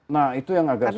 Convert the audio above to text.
nah itu yang agak sulit